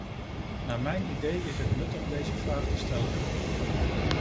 Naar mijn idee is het nuttig deze vraag te stellen.